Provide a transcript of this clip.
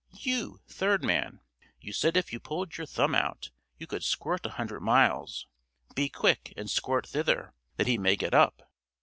You, third man, you said if you pulled your thumb out, you could squirt a hundred miles; be quick and squirt thither, that he may get up.